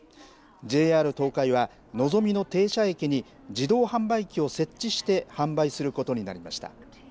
ＪＲ東海は、のぞみの停車駅に自動販売機を設置して販売することになりました。